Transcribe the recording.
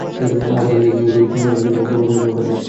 আবার হেইডেন কোনো কিছু নিয়ে অনেক ভাবত এবং সেটা নিয়ে কাজও করত।